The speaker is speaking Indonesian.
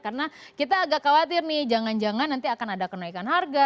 karena kita agak khawatir nih jangan jangan nanti akan ada kenaikan harga